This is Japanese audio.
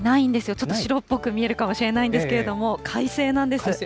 ちょっと白っぽく見えるかもしれないんですけれども、快晴なんです。